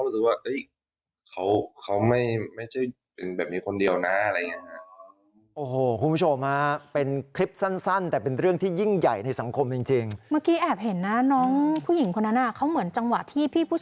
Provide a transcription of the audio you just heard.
ส่วนตัวผมแล้วผมชอบแสดงออกมากกว่าพูด